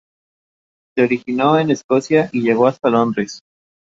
Rail Wars!